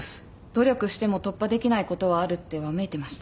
「努力しても突破できないことはある」ってわめいてました。